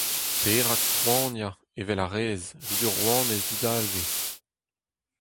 Perak poaniañ, evel a rez, 'vit ur rouanez didalvez ?